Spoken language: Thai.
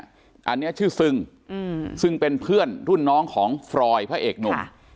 อันนี้ชื่อซึงซึ่งเป็นเพื่อนรุ่นน้องของฟรอยพระเอกหนุ่ม